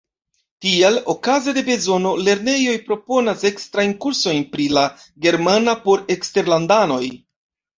Tial, okaze de bezono, lernejoj proponas ekstrajn kursojn pri la germana por eksterlandanoj.